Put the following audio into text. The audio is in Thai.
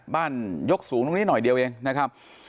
ยกสูงตรงนี้หน่อยเดียวเองนะครับ